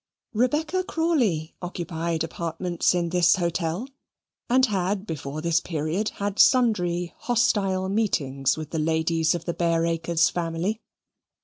Rebecca Crawley occupied apartments in this hotel; and had before this period had sundry hostile meetings with the ladies of the Bareacres family.